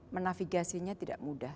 menafigasinya tidak mudah